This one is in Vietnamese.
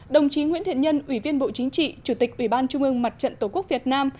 đồng chí nguyễn thiện nhân ủy viên bộ chính trị chủ tịch ủy ban trung ương mặt trận tổ quốc việt nam